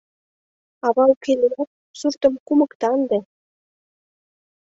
Ава уке лият, суртым кумыкта ынде!..